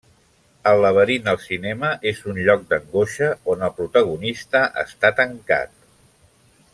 El laberint al cinema és un lloc d'angoixa, on el protagonista està tancat.